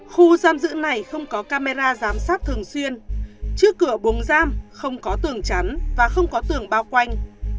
khu giam giữ này không có camera giám sát thường xuyên trước cửa buồng giam không có tường chắn và không có tường bao quanh